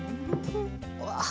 うわ！